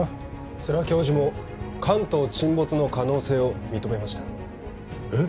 世良教授も関東沈没の可能性を認めましたえっ？